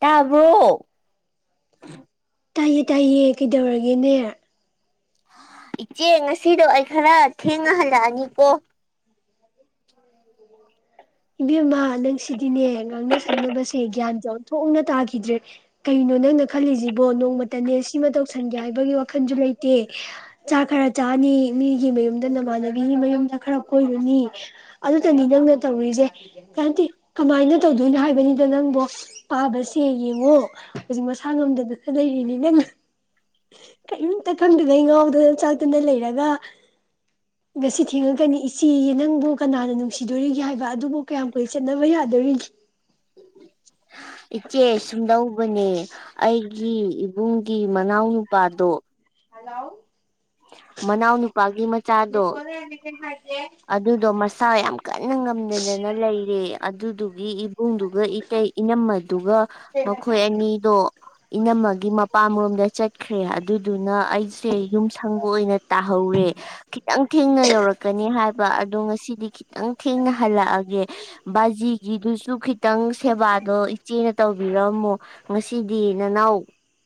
ꯇꯥꯕꯔꯣ ꯇꯥꯏꯑꯦ ꯇꯥꯏꯑꯦ ꯀꯩꯗꯧꯔꯒꯦꯅꯦ ꯏꯆꯦ ꯉꯁꯤꯗꯣ ꯑꯩ ꯈꯔ ꯊꯦꯡꯅ ꯍꯂꯛ ꯑꯅꯤꯀꯣ ꯏꯕꯦꯝꯃ ꯅꯪꯁꯤꯗꯤꯅꯦ ꯉꯥꯡꯅ ꯁꯛꯅꯕꯁꯦ ꯒꯌꯥꯟ ꯑꯣꯟꯊꯣꯛꯅꯥ ꯇꯒꯤꯗꯔ꯭ꯦ ꯀꯩꯅꯣ ꯅꯪꯅ ꯈꯜꯂꯤꯖꯤꯕꯣ ꯅꯣꯡꯃꯇꯅꯦ ꯁꯤꯃ ꯇꯧꯁꯟꯒꯦ ꯍꯥꯏꯕꯒꯤ ꯋꯈꯜꯖꯨ ꯂꯩꯇꯦ ꯆꯥꯛ ꯈꯔ ꯆꯥꯅꯤ ꯃꯤꯒꯤ ꯃꯌꯨꯝꯗꯥ ꯅꯃꯥꯟꯅꯕꯤꯒꯤ ꯃꯌꯨꯝꯗꯥ ꯈꯔ ꯀꯣꯏꯔꯨꯅꯤ ꯑꯗꯨꯇꯅꯤ ꯅꯪꯅ ꯇꯧꯔꯤꯖꯦ ꯅꯠꯇꯦ ꯀꯃꯥꯏꯅ ꯇꯧꯗꯣꯏꯅꯣ ꯍꯥꯏꯕꯅꯤꯗꯥ ꯅꯪꯕꯣ ꯄꯚꯥ ꯁꯦ ꯌꯦꯡꯉꯣ ꯍꯧꯖꯤꯛꯃꯛ ꯈꯥꯡꯉꯝꯗꯗꯅꯥ ꯂꯩꯔꯤꯅꯤꯅꯦ ꯅꯪ ꯀꯩꯏꯝꯇ ꯈꯪꯗꯅꯥ ꯑꯩ ꯉꯥꯎꯗꯅꯥ ꯆꯥꯛꯇꯅꯥ ꯂꯩꯔꯒ ꯉꯁꯤ ꯊꯦꯡꯉꯛꯀꯅꯤ ꯏꯆꯦ ꯌꯦ ꯅꯪꯕꯨ ꯀꯅꯥꯅ ꯅꯨꯡꯁꯤꯗꯣꯔꯤꯒꯦ ꯍꯥꯏꯕ [unintelligible] ꯀꯌꯥꯝ ꯀꯨꯏꯅ ꯆꯠꯅꯕ ꯌꯥꯗꯧꯔꯤꯒꯦ ꯏꯆꯦ ꯁꯨꯝꯗꯧꯕꯅꯦ ꯑꯩꯒꯤ ꯏꯕꯨꯡꯒꯤ ꯃꯅꯥꯎꯅꯨꯄꯥꯗꯣ ꯍꯜꯂꯥꯎ ꯃꯅꯥꯎꯅꯨꯄꯥꯒꯤ ꯃꯆꯥꯗꯣ ꯑꯗꯨꯗꯣ ꯃꯁꯥ ꯌꯥꯝ ꯀꯟꯅ ꯉꯝꯗꯗꯅ ꯂꯩꯔꯦ ꯑꯗꯨꯗꯨ [unintelligible] ꯏꯕꯨꯡꯗꯨꯒ ꯏꯇꯩ ꯏꯅꯝꯃꯗꯨꯒ ꯃꯈꯣꯏ ꯑꯅꯤꯗꯣ ꯏꯅꯝꯃꯒꯤ ꯃꯄꯝꯂꯣꯝꯗ ꯆꯠꯈꯔꯦ ꯑꯗꯨ ꯗꯨꯅ ꯑꯩꯁꯦ ꯌꯨꯝ ꯁꯪꯕꯥ ꯑꯣꯏꯅ ꯇꯥꯍꯧꯔꯦ ꯈꯤꯇꯪ ꯊꯦꯡꯅ ꯌꯧꯔꯛꯀꯅꯤ ꯑꯗꯣ ꯉꯁꯤꯗꯤ ꯈꯤꯇꯪ ꯊꯦꯡꯅ ꯍꯜꯂꯛꯑꯒꯦ ꯕꯥꯖꯤꯒꯤꯗꯨꯁꯨ ꯈꯤꯇꯪ ꯁꯦꯕꯥꯗꯣ ꯏꯆꯦꯅ ꯇꯧꯕꯤꯔꯝꯃꯣ ꯉꯥꯁꯤꯗꯤ ꯅꯅꯥꯎ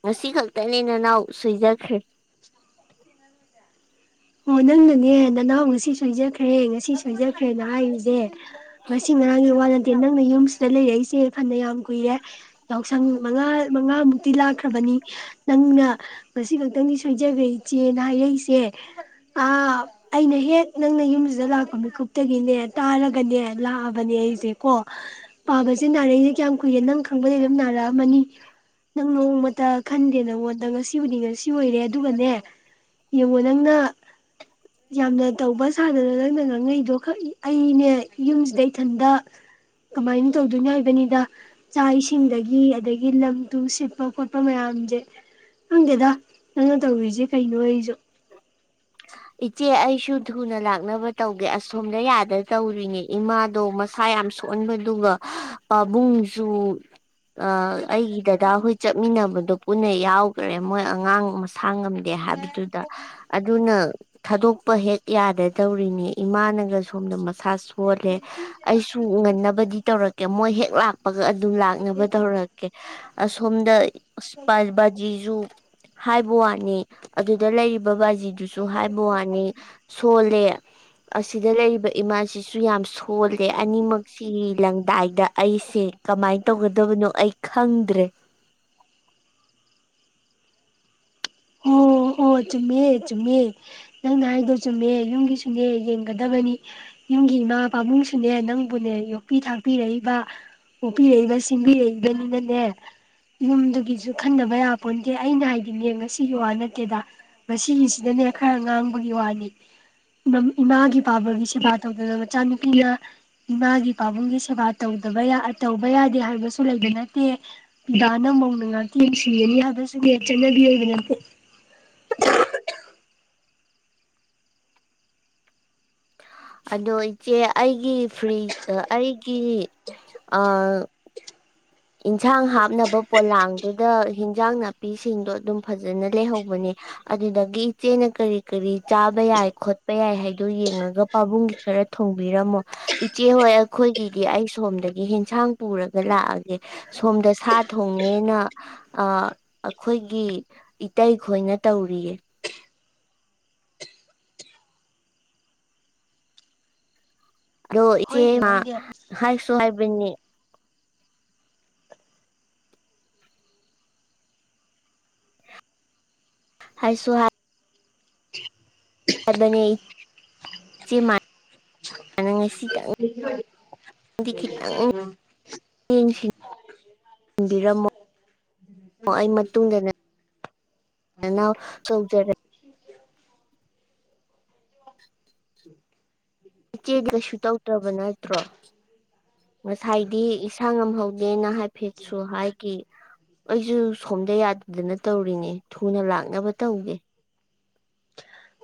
ꯉꯁꯤꯈꯛꯇꯅꯤ ꯅꯅꯥꯎ ꯁꯣꯏꯖꯈꯔ꯭ꯦ [unintelligible] ꯍ‌ꯣꯢ ꯅꯪꯅꯅ‌ꯦ ꯅꯅꯥꯎ ꯉꯁꯤ ꯁ‌ꯣꯢꯖꯈ꯭ꯔ‌ꯦ ꯉꯁꯤ ꯁ‌ꯣꯢꯖꯈ꯭ꯔ‌ꯦꯅ ꯍꯥꯢꯔꯤꯖ‌ꯦ ꯉꯁꯤ ꯉꯔꯥꯡꯒꯤ ꯋꯥ ꯅꯠꯇ‌ꯦ ꯅꯪꯅ ꯌꯨꯝꯁꯤꯗ ꯂꯩꯔꯛꯏꯁ‌ꯦ ꯐꯅꯌꯥꯝ ꯀꯨꯢꯔ‌ꯦ ꯌꯥꯎꯁꯪ ꯃꯉꯥꯃꯨꯛꯇꯤ ꯂꯥꯛꯈ꯭ꯔꯕꯅꯤ ꯅꯪꯅ ꯉꯁꯤꯈꯛꯇꯪ ꯁ‌ꯣꯢꯖꯒ꯭ꯔ‌ꯦ ꯏꯆ‌ꯦ ꯑꯅ ꯍꯥꯢꯔꯛꯏꯁ‌ꯦ ꯑꯥ ꯑꯩꯅ ꯍ‌ꯦꯛ ꯅꯪꯅ ꯌꯨꯝꯖꯤꯗ ꯂꯥꯛꯄ ꯃꯤꯀꯨꯞꯇꯒꯤ ꯇꯥꯔꯒꯅ‌ꯦ ꯂꯥꯛꯑꯕꯅ‌ꯦ ꯑꯩꯁ‌ꯦ ꯀ‌ꯣ ꯄꯥꯕꯖ‌ꯦ ꯅꯥꯔꯛꯏꯁ‌ꯦ ꯀꯌꯥꯝ ꯀꯨꯢꯔ‌ꯦ ꯅꯪ ꯈꯪꯕꯗꯩ ꯑꯗꯨꯝ ꯅꯥꯔꯛꯑꯝꯃꯅꯤ ꯅꯪ ꯅ‌ꯣꯡꯃꯇ ꯈꯟꯗ‌ꯦ ꯅꯉ‌ꯣꯟꯗ ꯉꯁꯤꯒꯤꯗꯤ ꯉꯁꯤ ꯑꯣꯢꯔ‌ꯦ ꯑꯗꯨꯒꯅꯦ ꯌꯦꯉꯨ ꯅꯪꯅ ꯌꯥꯝꯅ ꯇꯧꯕ ꯁꯥꯗꯅ ꯅꯪꯅ ꯉꯥꯡꯅꯩꯗꯣ [unintelligible] ꯑꯩꯅꯦ ꯌꯨꯃꯁꯤꯗ ꯏꯊꯟꯇ ꯀꯃꯥꯏꯅ ꯇꯧꯗꯣꯏꯅꯣ ꯍꯥꯏꯕꯅꯤꯗ ꯆꯥꯛ ꯑꯦꯁꯤꯡꯗꯒꯤ ꯑꯗꯥꯒꯤ ꯂꯝꯇꯨ ꯁꯤꯠꯄ ꯈꯣꯠꯄ ꯃꯌꯝꯖꯦ ꯈꯪꯗꯦꯗ [unintelligible] ꯏꯆꯦ ꯑꯩꯁꯨ ꯊꯨꯅ ꯂꯥꯛꯅꯕ ꯇꯧꯒꯦ ꯑꯁꯣꯝꯗ ꯌꯥꯗ ꯇꯧꯔꯤꯅꯤ ꯏꯃꯥꯗꯣ ꯃꯁꯥ ꯌꯥꯝ ꯁꯣꯟꯕꯗꯨꯒ ꯄꯥꯕꯨꯡꯁꯨ ꯑ ꯏꯩ ꯗꯥꯗꯥꯍꯣꯏ ꯆꯠꯃꯤꯟꯅꯕꯗꯣ ꯄꯨꯟꯅꯥ ꯌꯥꯎꯒꯔ꯭ꯦ ꯃꯣꯏ ꯑꯉꯥꯡ [unintelligible] ꯑꯗꯨꯅ ꯊꯥꯗꯣꯛꯄ ꯍꯦꯛ ꯌꯥꯗ ꯇꯧꯔꯤꯅꯤ ꯏꯃꯥꯅꯒ ꯁꯣꯝꯗ [unintelligible] [unintelligible] ꯑꯩꯁꯨ ꯉꯟꯅꯕꯗꯤ ꯇꯧꯔꯛ ꯃꯣꯏ ꯍꯦꯛ [unintelligible] [unintelligible] ꯑꯗꯨ ꯂꯥꯛꯅꯕ ꯇꯧꯔꯛꯀꯦ ꯑꯥꯁꯣꯝꯗ ꯕꯥꯖꯤꯖꯨ ꯍꯥꯏꯕꯋꯥꯅꯤ ꯑꯗꯨꯗ ꯂꯩꯔꯤꯕ ꯕꯥꯖꯤꯗꯨ ꯍꯥꯏꯕꯋꯥꯅꯤ ꯁꯣꯜꯂꯦ ꯑꯁꯤꯗ ꯂꯩꯔꯤꯕ ꯏꯃꯥꯁꯤꯁꯨ ꯌꯥꯝ ꯁꯣꯜ [unintelligible] ꯑꯅꯤꯃꯛꯁꯤꯒꯤ ꯂꯪꯗꯥꯏꯗ ꯑꯩꯁꯦ ꯀꯥꯃꯥꯏ ꯇꯧꯒꯗꯕꯅꯣ ꯑꯩ ꯈꯪꯗꯔꯦ [unintelligible] [unintelligible] [inaudible] [inaudible] [inaudible] [unintelligible] [unintelligible] [unintelligible] [unintelligible] [inaudible] [inaudible] [inaudible] [unintelligible] ꯑꯗꯣ ꯏꯆꯦ ꯑꯩꯒꯤ ꯐꯔ꯭ꯤ ꯑꯩꯒꯤ ꯑꯥ ꯏꯟꯁꯥꯡ ꯍꯞꯅꯕ ꯄꯣꯂꯥꯜꯗꯨꯗ ꯍꯤꯟꯖꯥꯡ ꯅꯥꯄꯤꯁꯤꯡꯗꯣ ꯑꯗꯨꯝ ꯐꯖꯅ ꯂꯩꯍꯧꯕꯅꯤ ꯑꯗꯨꯗꯒꯤ ꯏꯆꯦꯅ ꯀꯔꯤ ꯀꯔꯤ ꯆꯥꯕꯥ ꯌꯥꯏ ꯈꯣꯠꯄꯥ ꯌꯥꯏ ꯍꯥꯏꯗꯨ ꯌꯦꯉꯒꯥ ꯄꯥꯕꯨꯡꯒꯤ ꯈꯔꯥ ꯊꯣꯡꯕꯤꯔꯝꯃꯣ ꯏꯆꯦꯍꯣꯏ ꯑꯈꯣꯏꯒꯤꯗꯤ ꯑꯩ ꯁꯣꯝꯗꯒꯤ ꯍꯤꯟꯁꯥꯡ ꯄꯨꯔꯒ ꯂꯥꯛ ꯑꯒꯦ ꯁꯣꯝꯗ ꯁꯥ ꯊꯣꯡꯅꯦꯅ ꯑꯥ ꯑꯈꯣꯏꯒꯤ ꯏꯇꯩꯈꯣꯏꯅ ꯇꯧꯔꯤꯌꯦ ꯑꯗꯣ ꯏꯆꯦ ꯍꯣꯏꯅꯦ ꯍꯣꯏꯅꯦ [unintelligible] [unintelligible] [unintelligible] ꯍꯥꯏꯁꯨ ꯍꯥꯏ [unintelligible] ꯏꯆ‌ꯦꯝꯃ ꯉꯁꯤꯗꯪ [unintelligible] [unintelligible] ꯑꯩ ꯃꯇꯨꯡꯗꯅꯦ [unintelligible] ꯏꯆꯦ ꯀꯩꯁꯨ ꯇꯧꯗ꯭ꯔꯕ ꯅꯠꯇ꯭ꯔꯣ ꯉꯁꯥꯏꯗꯤ ꯏꯁꯥ ꯉꯝꯍꯧꯗꯦꯅ ꯍꯥꯏꯐꯦꯠꯁꯨ ꯍꯥꯏꯒꯤ ꯑꯩꯖꯨ ꯁꯣꯝꯗ ꯌꯥꯗꯗꯅ ꯇꯧꯔꯤꯅꯦ ꯊꯨꯅ ꯂꯥꯛꯅꯕ ꯇꯧꯒꯦ꯫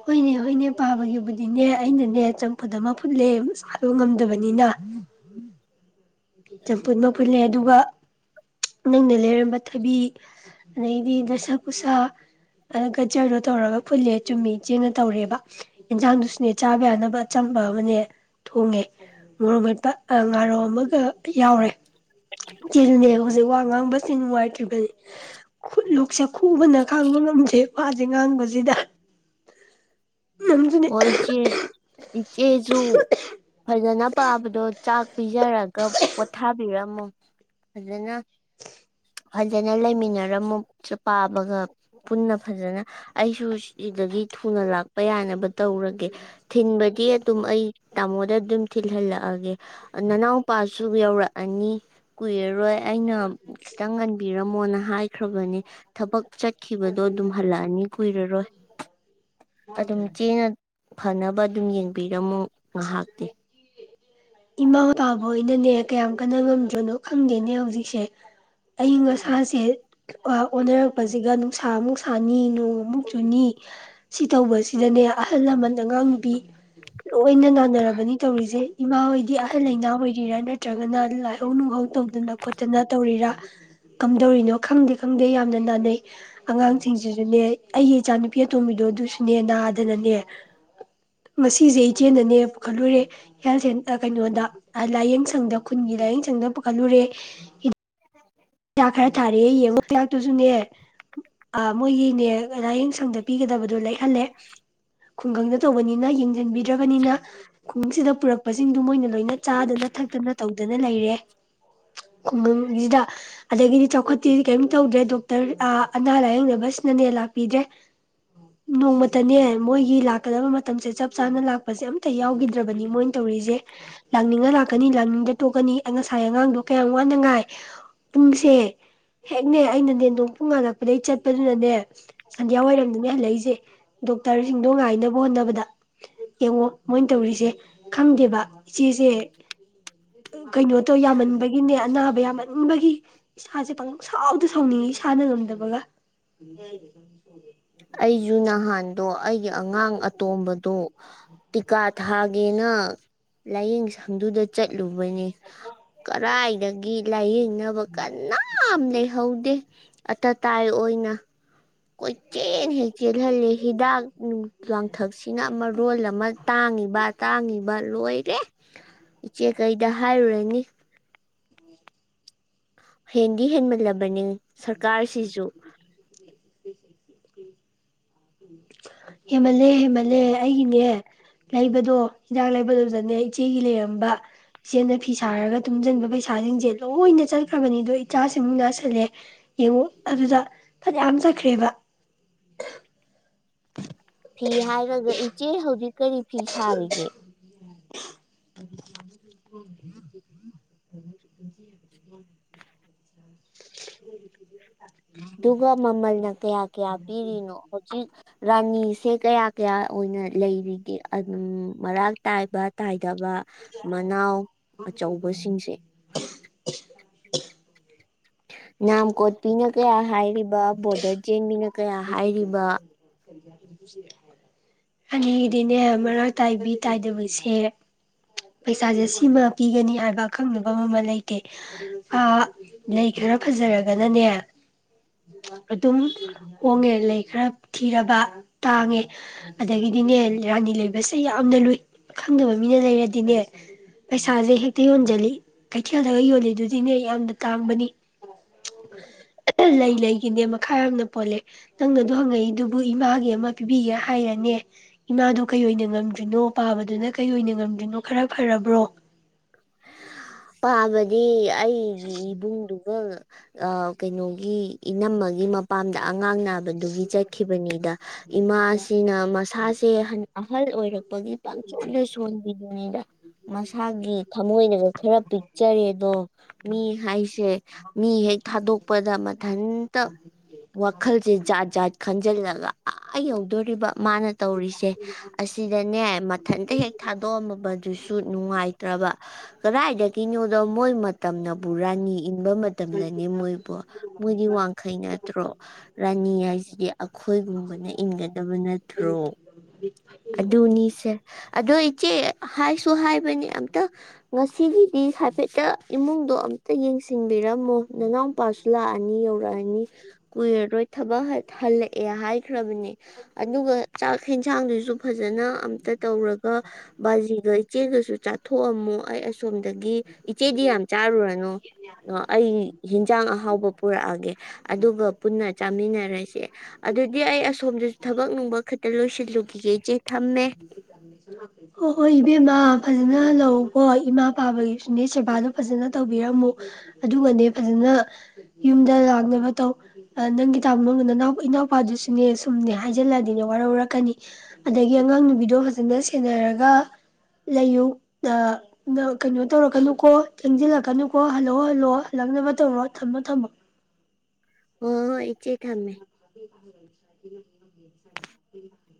ꯍꯣꯏꯅꯦ ꯍꯣꯏꯅꯦ ꯄꯥꯕꯒꯤꯕꯨꯗꯤꯅꯦ ꯑꯩꯅꯅꯦ ꯆꯝꯐꯨꯠ ꯑꯃ ꯐꯨꯠꯂꯦ ꯏꯁꯥꯗꯣ ꯉꯝꯗ꯭ꯔꯕꯅꯤꯅ꯫ ꯆꯝꯐꯨꯠ ꯑꯃ ꯐꯨꯠꯂꯦ ꯑꯗꯨꯒ ꯅꯪꯅ ꯂꯩꯔꯝꯕ ꯊꯕꯤ ꯑꯗꯩꯗꯤ ꯗꯁꯥ ꯀꯨꯁꯥ ꯑꯗꯨ ꯒꯖ꯭ꯔꯗꯣ ꯇꯧꯔꯒ ꯐꯨꯠꯂꯦ ꯆꯨꯝꯅ ꯏꯆꯦꯅ ꯇꯧꯔꯤꯕ ꯏꯟꯖꯥꯡ ꯗꯨꯖꯨ ꯆꯥꯕ ꯌꯥꯅꯕ ꯑꯆꯝꯕ ꯑꯃꯅꯦ ꯊꯣꯡꯉꯦ ꯃꯣꯔꯣꯛ ꯃꯦꯠꯄ ꯉꯥꯔꯧ ꯑꯃꯒ ꯌꯥꯎꯔꯦ ꯏꯆ‌ꯦꯖꯨꯅꯦ ꯍꯧꯖꯤꯛ ꯋꯥ ꯉꯥꯡꯕꯁꯤ ꯅꯨꯡꯉꯥꯏꯇ꯭ꯔꯤꯕꯅꯤ ꯂꯣꯛꯁꯦ ꯈꯨꯕꯅ ꯈꯥꯡꯕ ꯉꯝꯗ꯭ꯔꯦ ꯋꯥꯖꯦ ꯉꯥꯡꯕꯖꯤꯗ ꯫ ꯍꯣꯏ ꯏꯆꯦ ꯏꯆꯦꯖꯨ ꯐꯖꯅ ꯄꯥꯕꯗꯣ ꯆꯥꯛ ꯄꯤꯖꯔꯒ ꯄꯣꯊꯥꯕꯤꯔꯝꯃꯣ ꯐꯖꯅ꯫ ꯐꯖꯅ ꯂꯩꯃꯤꯟꯅꯔꯝꯃꯣ ꯄꯥꯕꯒ ꯄꯨꯟꯅ ꯐꯖꯅ ꯑꯩꯖꯨ ꯁꯤꯗꯒꯤ ꯊꯨꯅ ꯂꯥꯛꯄ ꯌꯥꯅꯕ ꯇꯧꯔꯒꯦ ꯊꯤꯟꯕꯗꯤ ꯗꯨꯝ ꯑꯩ ꯇꯥꯃꯣꯗ ꯗꯨꯝ ꯊꯤꯜꯍꯂꯛꯑꯒꯦ ꯑꯥ ꯅꯅꯥꯎꯄꯥꯖꯨ ꯌꯧꯔꯛꯑꯅꯤ ꯀꯨꯏꯔꯔꯣꯢ ꯑꯩꯅ ꯈꯤꯇꯪ ꯉꯟꯕꯤꯔꯝꯃꯣꯅ ꯍꯥꯏꯈ꯭ꯔꯕꯅꯤ ꯊꯕꯛ ꯆꯠꯈꯤꯕꯗꯣ ꯑꯗꯨꯝ ꯍꯂꯛꯑꯅꯤ ꯀꯨꯏꯔꯔꯣꯢ ꯑꯗꯨꯝ ꯏꯐꯦꯅ ꯐꯅꯕ ꯗꯨꯝ ꯌꯦꯡꯕꯤꯔꯝꯃꯣ ꯉꯍꯥꯛꯇꯤ꯫ ꯏꯃꯥ ꯄꯥꯕꯍꯣꯏꯅꯅꯦ ꯀꯌꯥꯝ ꯀꯟꯅ ꯉꯝꯗ꯭ꯔꯤꯅꯣ ꯈꯪꯗꯦꯅꯦ ꯍꯧꯖꯤꯛꯁꯦ ꯑꯏꯪ ꯑꯁꯥꯖꯦ ꯑꯥ ꯑꯣꯟꯅꯔꯛꯄꯁꯤꯒ ꯅꯨꯡꯁꯥ ꯑꯃꯨꯛ ꯁꯥꯅꯤ ꯅꯣꯡ ꯑꯃꯨꯛ ꯆꯨꯅꯤ ꯁꯤꯇꯧꯕꯁꯤꯅꯅꯦ ꯑꯍꯟ ꯂꯃꯟꯗ [unintelligible] ꯂꯣꯏꯅ ꯅꯥꯅꯔꯕꯅꯤ ꯇꯧꯔꯤꯖꯦ ꯏꯃꯥꯍꯣꯏꯗꯤ ꯑꯍꯜ ꯂꯩꯅ ꯑꯣꯏꯔꯤꯔ ꯅꯠꯇ꯭ꯔꯒꯅ ꯂꯥꯏꯍꯧ ꯅꯨꯡꯍꯧ ꯇꯧꯗꯅ ꯈꯣꯠꯇꯅ ꯇꯧꯔꯤꯔ ꯀꯝꯗꯧꯔꯤꯅꯣ ꯈꯪꯗꯦ ꯈꯪꯗꯦ ꯌꯥꯝꯅ ꯅꯥꯅꯩ ꯑꯉꯥꯡꯁꯤꯡꯁꯨꯅꯦ ꯑꯩ ꯏꯆꯥꯅꯨꯎꯤ ꯑꯇꯣꯝꯕꯤꯗꯣ ꯗꯨꯖꯨꯅꯦ ꯅꯥꯗꯅꯅꯦ ꯉꯁꯤꯖꯦ ꯏꯆꯦꯅꯅꯦ ꯄꯨꯈꯠꯂꯨꯔꯦ ꯍꯦꯜ ꯁꯦ ꯑꯥ ꯀꯩꯅꯣꯗ ꯑꯥ ꯂꯥꯏꯌꯦꯡꯁꯪꯗ ꯈꯨꯟꯒꯤ ꯂꯥꯏꯌꯦꯡꯁꯪꯗ ꯄꯨꯈꯠꯂꯨꯔꯦ ꯍꯤꯗꯥꯛ ꯈꯔ ꯊꯥꯔꯛꯑꯦ ꯑꯥ ꯃꯣꯏꯒꯤꯅꯦ ꯂꯥꯏꯌꯦꯡꯁꯪꯗ ꯄꯤꯒꯗꯕꯗꯣ ꯂꯩꯍꯜꯂꯦ ꯈꯨꯟꯒꯪꯗ ꯇꯧꯕꯅꯤꯅ ꯌꯦꯡꯖꯟꯕꯤꯗ꯭ꯔꯕꯅꯤꯅ ꯈꯨꯟꯁꯤꯗ ꯄꯨꯔꯛꯄꯁꯤꯡꯗꯨ ꯃꯣꯏꯅ ꯂꯣꯏꯅ ꯆꯥꯗꯅ ꯊꯛꯇꯅ ꯇꯧꯗꯅ ꯂꯩꯔꯦ ꯈꯨꯟꯒꯪꯒꯤꯗ ꯑꯗꯒꯤ ꯆꯥꯎꯠꯄꯗꯤ ꯀꯔꯤꯝ ꯇꯧꯗ꯭ꯔꯦ ꯗꯣꯛꯇꯔ ꯑꯥ ꯑꯅꯥ ꯂꯥꯏꯌꯦꯡꯕꯁꯤꯅꯅꯦ ꯂꯥꯛꯄꯤꯗ꯭ꯔꯦ ꯅꯣꯡꯃꯇꯅꯦ ꯃꯣꯏꯒꯤ ꯂꯥꯛꯀꯗꯕ ꯃꯇꯝꯖꯦ ꯆꯞ ꯆꯥꯅ ꯂꯥꯛꯄꯁꯦ ꯑꯃꯇ ꯌꯥꯎꯒꯤꯗ꯭ꯔꯕꯅꯤ ꯃꯣꯏ ꯇꯧꯔꯤꯖꯦ ꯂꯥꯛꯅꯤꯡꯉ ꯂꯥꯛꯀꯅꯤ ꯂꯥꯛꯅꯤꯡꯗ꯭ꯔꯥ ꯇꯣꯛꯀꯅꯤ ꯉꯁꯥꯏ ꯑꯉꯥꯡꯗꯣ ꯀꯌꯥ ꯋꯥꯅ ꯉꯥꯏ ꯎꯨꯡꯖꯦ ꯍꯦꯛꯅꯦ ꯑꯩꯅꯅꯦ ꯅꯣꯡ ꯐꯨꯡ ꯉꯥꯂꯛꯄꯗꯒꯤ ꯆꯠꯄꯗꯨꯅꯅꯦ ꯁꯟꯗꯤꯌꯥ ꯋꯥꯏꯔꯝꯗꯅꯦ ꯍꯂꯛꯏꯖꯦ ꯗꯣꯛꯇꯔꯖꯤꯡꯗꯣ ꯉꯥꯏꯅꯕ ꯍꯣꯠꯅꯕꯗ ꯌꯦꯡꯉꯣ ꯃꯣꯏ ꯇꯧꯔꯤꯖꯦ ꯈꯡꯗꯦꯕ ꯢꯆꯦꯖꯦ ꯀꯩꯅꯣꯇꯣ ꯌꯥꯃꯟꯕꯒꯤꯅꯦ ꯑꯅꯥꯕ ꯌꯥꯃꯟꯕꯒꯤ ꯏꯁꯥꯖꯦ ꯄꯡꯁꯥꯎꯗ ꯁꯥꯎꯅꯤꯡꯉꯤ ꯏꯁꯥꯅ ꯉꯝꯗꯕꯒ꯫ ꯑꯩꯖꯨ ꯅꯍꯥꯟ ꯗꯣ ꯑꯩꯒꯤ ꯑꯉꯥꯡ ꯑꯇꯣꯟꯕꯗꯣ ꯇꯤꯀꯥ ꯊꯥꯒꯦꯅ ꯂꯥꯏꯌꯦꯡꯁꯪꯗꯨꯗ ꯆꯠꯂꯨꯕꯅꯤ ꯀꯔꯥꯏꯗꯒꯤ ꯂꯥꯏꯌꯦꯡ ꯅꯕ ꯀꯟꯅꯥꯝ ꯂꯩꯍꯧꯗꯦ꯫ ꯑꯇꯇꯥꯏ ꯑꯣꯏꯅ ꯀꯣꯏꯆꯦꯟ ꯍꯦ ꯆꯦꯜꯍꯜꯂꯤ ꯍꯤꯗꯥꯛ ꯂꯥꯡꯊꯛꯁꯤꯅ ꯃꯔꯣꯟ ꯑꯃ ꯇꯥꯡꯉꯤꯕ ꯇꯥꯡꯉꯤꯕ ꯂꯣꯏꯔꯦ ꯏꯆꯦ ꯀꯔꯤꯗ ꯍꯥꯏꯔꯨꯅꯤ꯫ ꯍꯦꯟꯗꯤ ꯍꯦꯟꯃꯜꯂꯕꯅꯤ ꯁ꯭ꯔꯀꯥꯁꯤꯁꯨ꯫ ꯍꯦꯃꯜꯂꯦ ꯍꯦꯃꯜꯂꯦ ꯑꯩꯒꯤꯅꯦ ꯂꯩꯕꯗꯣ ꯍꯤꯗꯥꯛ ꯂꯩꯕꯗꯣ ꯑꯗꯨꯗꯅꯦ ꯏꯆꯦꯒꯤ ꯂꯩꯔꯝꯕ ꯏꯆꯦꯅ ꯐꯤ ꯁꯥꯔꯒ ꯇꯨꯡꯖꯟꯕ ꯄꯩꯁꯥꯁꯤꯡꯁꯦ ꯂꯣꯏꯅ ꯆꯠꯈ꯭ꯔꯕꯅꯤꯗꯣ ꯏꯆꯥꯁꯤꯃꯨꯛ ꯅꯥꯁꯤꯜꯂꯦ ꯌꯦꯡꯉꯨ ꯑꯗꯨꯗ ꯐꯅꯌꯥꯝ ꯆꯠꯈ꯭ꯔꯦꯕ꯫ ꯐꯤ ꯍꯥꯏꯔꯒ ꯢꯆꯦ ꯍꯧꯖꯤꯛ ꯀꯔꯤ ꯐꯤ ꯁꯥꯔꯤꯒꯦ꯫ [unintelligible] ꯗꯨꯒ ꯃꯃꯜꯅ ꯀꯌꯥ ꯀꯌꯥ ꯄꯤꯔꯤꯅꯣ ꯍꯩꯖꯤꯛ ꯔꯥꯅꯤꯁꯦ ꯀꯌꯥ ꯀꯌꯥ ꯑꯣꯢꯅ ꯂꯩꯔꯤꯒꯦ ꯃꯔꯥꯛ ꯇꯥꯏꯕ ꯇꯥꯢ ꯗꯕ ꯃꯅꯥꯎ ꯑꯆꯧꯕꯁꯤꯡꯁꯦ꯫ [unintelligible] ꯅꯥꯝ [inaudible] ꯃꯤꯅ ꯀꯌꯥ ꯍꯥꯏꯔꯤꯕ ꯕꯣ꯭ꯔꯗꯔꯖꯦ ꯃꯤꯅ ꯀꯌꯥ ꯍꯥꯏꯔꯤꯕ ꯑꯩꯗꯤꯅꯦ ꯃꯔꯥꯛ ꯇꯥꯏꯕꯤ ꯇꯥꯏꯗꯕꯁꯦ ꯄꯩꯁꯥꯁꯦ ꯁꯤꯃ ꯄꯤꯒꯅꯤ ꯍꯥꯏꯕ ꯑꯀꯛꯅꯕ ꯃꯃꯜ ꯂꯩꯇꯦ ꯑ ꯂꯩ ꯈꯔ ꯐꯖꯔꯒꯅꯅꯦ ꯑꯗꯨꯝ ꯍꯣꯡꯉꯦ ꯂꯩꯈꯔ ꯊꯤꯔꯕ ꯇꯥꯡꯉꯦ ꯑꯗꯒꯤꯗꯤꯅꯦ ꯔꯥꯅꯤ ꯂꯩꯕꯁꯦ ꯌꯥꯝꯅ ꯂꯨꯏ ꯈꯪꯗꯕ ꯃꯤꯅ ꯂꯩꯔꯗꯤꯅꯦ ꯄꯩꯁꯥꯁꯦ ꯍꯦꯛꯇ ꯌꯣꯟꯖꯟꯂꯤ ꯀꯩꯊꯦꯜꯗꯒ ꯌꯣꯟꯂꯤꯗꯨꯗꯤ ꯅꯦ ꯌꯥꯝꯅ ꯇꯥꯡꯕꯅꯤ ꯂꯩ ꯂꯩꯒꯤꯅꯦ ꯄꯈꯥ ꯌꯥꯝꯅ ꯄꯣꯟꯂꯦ ꯅꯪꯅ ꯑꯗꯨ ꯍꯪꯂꯛꯏ ꯗꯨꯕꯨ ꯏꯃꯥꯒꯤ ꯑꯃ ꯄꯤꯕꯤꯒꯦ ꯍꯥꯏꯔꯅꯦ ꯏꯃꯥꯗꯣ ꯀꯩꯑꯣꯏꯅ ꯉꯝꯗ꯭ꯔꯤꯅꯣ ꯄꯥꯕꯗꯨꯅ ꯀꯩ ꯑꯣꯏꯅ ꯉꯝꯈ꯭ꯔꯤꯅꯣ ꯈꯔ ꯐꯔꯕꯣ ꯑ ꯕꯗꯤ ꯑꯩꯒꯤ ꯏꯕꯨꯡꯗꯨ ꯎꯡ ꯑ ꯀꯩꯅꯣꯒꯤ ꯏꯅꯝꯃꯒꯤ ꯃꯄꯥꯝꯗ ꯑ ꯉꯥꯡ ꯅꯕꯗꯨꯒꯤ ꯆꯠꯈꯤꯕꯅꯤꯗ ꯏꯃꯥꯁꯤꯅ ꯃꯁꯥꯁ ꯑꯦ ꯍꯟ ꯑꯍꯜ ꯑꯣꯏꯔꯛ ꯄꯒꯤ ꯄꯪꯁꯣꯟꯗ ꯁꯣꯟꯕꯤ [inaudible] ꯗ ꯃꯁꯥꯒꯤ ꯊꯃꯣꯏꯅꯒ ꯈꯔ ꯄꯤꯛꯆꯔꯦꯗꯣ ꯃꯤ ꯍꯥꯏꯁꯦ ꯃꯤ ꯍꯦꯛ ꯊꯥꯗꯣꯛꯄꯗ ꯃꯊꯟꯇ ꯋꯥꯈꯜꯖꯦ ꯖꯥꯠ ꯖꯥꯠ ꯈꯟꯖꯟꯂ ꯒ ꯑ ꯌꯧꯗꯧꯔꯤꯕ ꯃꯥꯅ ꯇꯧꯔꯤꯁꯦ ꯑꯁꯤꯗꯅꯦ ꯃꯊꯟꯇ ꯍꯦꯛ ꯊꯥꯗꯣꯛꯑꯝ ꯃꯕ ꯁꯨ ꯅꯨꯡꯉꯥꯏꯇ꯭ꯔꯕ ꯀꯔꯥꯏꯗꯒꯤꯅꯣꯗ ꯃꯣꯏ ꯃ ꯇꯝꯅꯕꯨ ꯔꯥꯅꯤ ꯏꯟꯕ ꯃꯇꯝꯂꯅꯦ ꯃꯣꯏꯕꯣ ꯃꯣꯏꯗꯤ ꯋꯥꯡꯈꯩ ꯅꯠꯇ꯭ꯔꯣ ꯔꯥꯅꯤ ꯍꯥꯏꯁꯤꯗꯤ ꯑꯩꯈꯣꯏ ꯒꯨꯝꯕꯅ ꯏꯟꯒꯗꯕ ꯅꯠꯇ꯭ꯔꯣ ꯑꯗꯨꯅꯤꯁꯦ ꯑꯗꯨ ꯏ ꯆꯦ ꯍꯥꯏꯁꯨ ꯍꯥꯏꯕꯅꯤ ꯑꯝꯇ ꯉꯁꯤ ꯗꯤ ꯍꯥꯏꯐꯦꯠꯇ ꯏꯃꯨꯡꯗꯣ ꯑꯝꯇ ꯌꯦꯡꯁꯟ ꯕꯤꯔꯝꯃꯣ ꯅꯅꯥꯎ ꯄꯥꯁꯨ ꯂꯥꯛ ꯑꯅꯤ ꯌꯧꯔꯛ ꯑꯅꯤ ꯀꯨꯏꯔꯔꯣꯏ ꯊꯕꯛ ꯍ ꯍꯟꯂꯛꯑꯦ ꯍꯥꯏꯈ꯭ꯔ ꯕꯅꯦ ꯑꯗꯨꯒ ꯆꯥꯛ ꯍꯦꯟꯖꯥꯡ ꯗꯨꯁꯨ ꯐꯖꯅ ꯑꯝꯇ ꯇꯧꯔꯒ ꯕꯖꯤꯒ ꯏꯆꯦ ꯒꯁꯨ ꯆꯥꯊꯣꯛ ꯑꯃꯃꯣ ꯑꯩ ꯁꯣꯝꯗꯒꯤ ꯏꯆꯦꯗꯤ ꯌꯥꯝ ꯆꯥꯔꯨꯔꯅꯣ ꯑꯩ ꯍꯦꯟꯖꯥꯡ ꯑꯍꯥꯎꯕ ꯄꯨꯔꯛ ꯑꯒꯦ ꯑꯗꯨꯒ ꯄꯨꯟꯅ ꯆꯥꯃꯤꯟ ꯅꯔꯁꯦ ꯑꯗꯨꯗꯤ ꯑꯩ ꯑꯁꯣꯝꯗꯁꯨ ꯊꯕꯛ ꯅꯨꯡꯕꯛ ꯈꯤꯇ ꯂꯣꯏꯁꯟ ꯂꯨꯈꯤꯒꯦ ꯏ ꯍꯣꯍꯣꯏ ꯏꯕꯦꯝꯃ ꯐꯖꯅ ꯍꯟꯂꯛ ꯎꯀꯣ ꯏꯃꯥ ꯄꯥꯕ ꯒꯤꯁꯨꯅꯦ ꯁꯦꯕꯗꯣ ꯐꯖꯅ ꯇꯣꯕꯤꯔꯝꯃꯨ ꯑꯗꯨꯒꯅꯦ ꯐꯖꯅ ꯌꯨꯝꯗ ꯂꯥꯛꯅꯕꯇꯧ ꯅꯪꯒꯤ ꯇꯥꯃꫭ ꯅꯅꯥꯎ ꯏꯅꯥꯎ ꯄꯥꯗꯨꯁꯨꯅꯦ ꯁꯨꯝꯅꯦ ꯍꯥꯏꯖꯟꯂꯛ ꯑꯗꯤꯅꯦ ꯋꯥꯔꯧꯔꯛ ꯀꯅꯤ ꯑꯗꯩ ꯒꯤ ꯑꯉꯥꯡ ꯅꯨꯄꯤꯗꯣ ꯐꯖꯅ ꯁꯦꯅꯔꯒ ꯂꯩꯌꯨ ꯑ ꯀꯩꯅꯣ ꯇꯧꯔꯛ ꯀꯅꯨꯀꯣ ꯊꯦꯡꯖꯟ ꯂꯛꯀꯅꯨꯀꯣ ꯍꯟꯂꯛꯑꯣ ꯍꯟꯂꯛꯑꯣ ꯍꯟꯂꯛꯅꯕ ꯇꯧꯔꯣ ꯊꯝꯃꯣ ꯊꯝꯃꯣ ꯍꯣꯍꯣꯏ ꯏꯆꯦ ꯊꯝꯃꯦ [unintelligible]